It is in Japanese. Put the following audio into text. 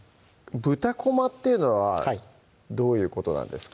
豚こまっていうのはどういうことなんですか？